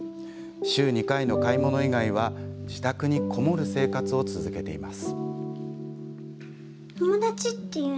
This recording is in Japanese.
週２回の買い物以外は自宅にこもる生活を続けています。